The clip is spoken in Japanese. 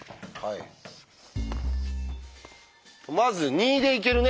まず２でいけるね。